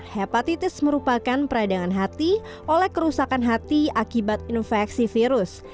hepatitis merupakan peradangan hati oleh kerusakan hati akibat infeksi virus